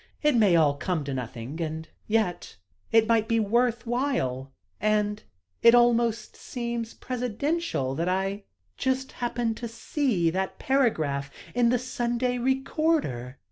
It may all come to nothing; and yet it might be worth while and it almost seems presidential that I just happened to see that paragraph in the Sunday Recorder."